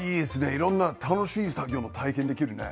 いろんな楽しい作業も体験できるね。